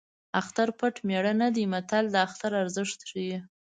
اختر پټ مېړه نه دی متل د اختر ارزښت ښيي